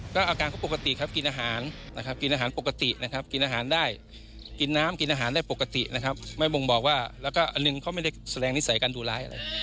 ก็อาการเขาปกติครับกินอาหารนะครับกินอาหารปกตินะครับกินอาหารได้กินน้ำกินอาหารได้ปกตินะครับไม่บ่งบอกว่าแล้วก็อันหนึ่งเขาไม่ได้แสดงนิสัยการดูร้ายอะไร